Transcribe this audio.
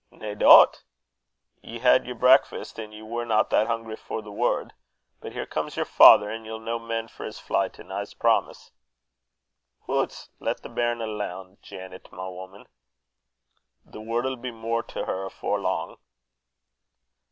"Nae dout! Ye had yer brakfast, an' ye warna that hungry for the word. But here comes yer father, and ye'll no mend for his flytin', I'se promise." "Hoots! lat the bairn alane, Janet, my woman. The word'll be mair to her afore lang."